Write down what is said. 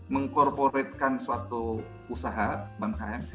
mengkorporatkan suatu usaha bank km